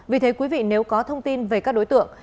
vì thế quý vị nếu có thông tin về các đối tượng